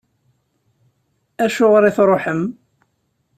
Acuɣer i tṛuḥem?